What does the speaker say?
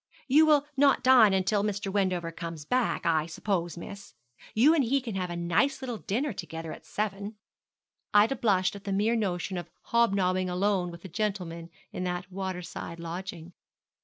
'You will not dine until Mr. Wendover comes back, I suppose, miss? You and he can have a nice little dinner together at seven.' Ida blushed at the mere notion of hobnobbing alone with a gentleman in that water side lodging.